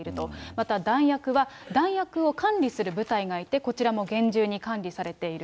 また弾薬は、弾薬を管理する部隊がいて、こちらも厳重に管理されている。